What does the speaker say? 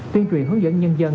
tuyên truyền hướng dẫn nhân dân